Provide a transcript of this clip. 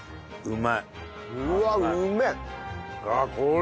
うまいわ。